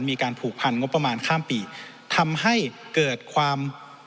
มีการผูกพันงบประมาณข้ามปีทำให้เกิดความ